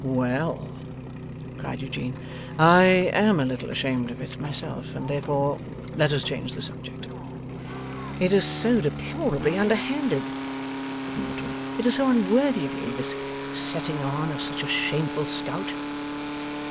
'Well!' cried Eugene, 'I am a little ashamed of it myself, and therefore let us change the subject.' 'It is so deplorably underhanded,' said Mortimer. 'It is so unworthy of you, this setting on of such a shameful scout.